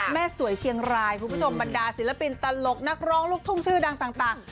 สวยเชียงรายคุณผู้ชมบรรดาศิลปินตลกนักร้องลูกทุ่งชื่อดังต่าง